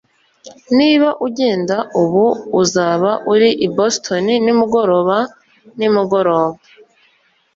Niba ugenda ubu uzaba uri i Boston nimugoroba nimugoroba